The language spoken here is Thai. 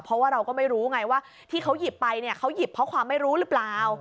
เพราะว่าเราก็ไม่รู้ไงว่าที่เขาหยิบไปเนี่ยเขาหยิบเพราะความไม่รู้หรือเปล่า